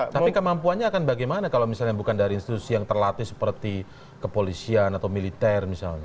tapi kemampuannya akan bagaimana kalau misalnya bukan dari institusi yang terlatih seperti kepolisian atau militer misalnya